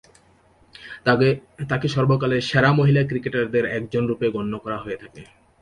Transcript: তাকে সর্বকালের সেরা মহিলা ক্রিকেটারদের একজনরূপে গণ্য করা হয়ে থাকে।